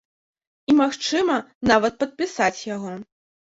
І магчыма, нават падпісаць яго.